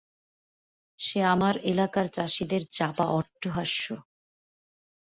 সে আমার এলাকার চাষিদের চাপা অট্টহাস্য।